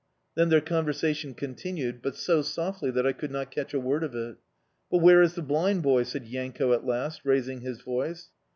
Then their conversation continued, but so softly that I could not catch a word of it. "But where is the blind boy?" said Yanko at last, raising his voice.